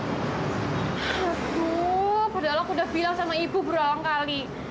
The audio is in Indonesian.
aduh padahal aku udah bilang sama ibu berulang kali